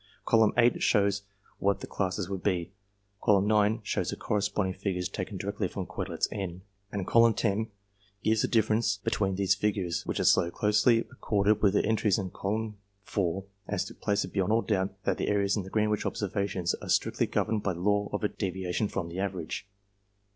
Column VIII. shows what these classes would be ; Column IX. shows the corresponding figures taken directly from Quetelet's N, and Column X. gives the difference between these figures, which are so closely APPENDIX 367 accordant with the entries in Column IV., as to place it beyond all doubt that the errors in the Greenwich observa tions are strictly governed by the law of a deviation from an average.